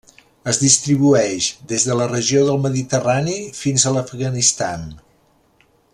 Es distribueix des de la regió del Mediterrani fins a l'Afganistan.